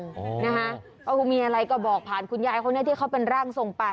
ก็มีอะไรก็บอกผ่านคุณยายเขาเนี่ยที่เขาเป็นร่างทรงไป